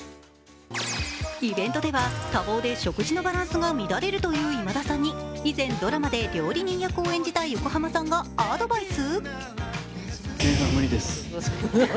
イベントでは、多忙で食事のバランスが乱れるという今田さんに以前、ドラマで料理人役を演じた横浜さんがアドバイス！？